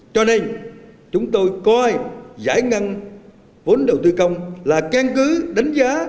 cho nên chúng tôi coi giải ngăn vốn đầu tư công là khen cứ đánh giá